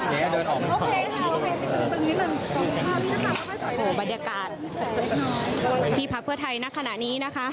โอ้โหบรรยากาศที่พักเพื่อไทยณขณะนี้นะคะ